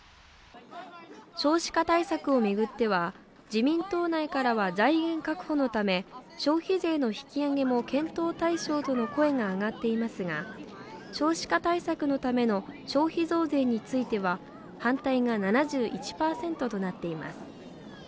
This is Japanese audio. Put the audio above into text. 少子化対策をめぐっては自民党内からは財源確保のため消費税の引き上げも検討対象との声が上がっていますが少子化対策のための消費増税については反対が７１％となっています